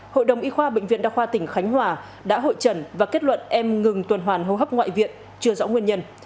hội đồng y khoa bệnh viện đa khoa tỉnh khánh hòa đã hội trần và kết luận em ngừng tuần hoàn hô hấp ngoại viện chưa rõ nguyên nhân